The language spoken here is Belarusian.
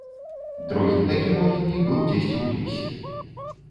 Другі такі могільнік быў дзесьці ў лесе.